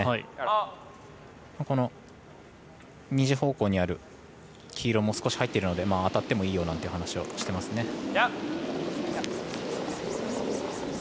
２時方向にある黄色も少し入ってるので当たってもいいよなんていう話をしていますね。